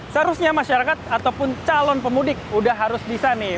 seharusnya masyarakat ataupun calon pemudik udah harus bisa nih